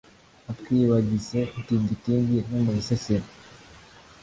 atwibagise tingi tingi no mubisesero